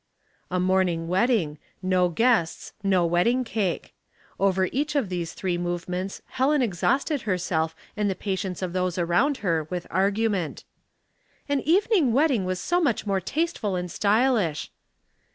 A morning wedding, no guests, no wedding cake. Over each of these three movements Helen exhausted herself and the patience of those around her with argument. "An eveningr wedding: was so much more tasteful and stylish."